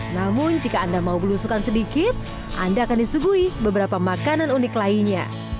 namun jika anda mau belusukan sedikit anda akan disuguhi beberapa makanan unik lainnya